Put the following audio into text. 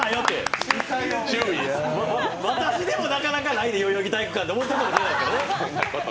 私でもなかなかないで、代々木体育館って思ってるかもしれないよね。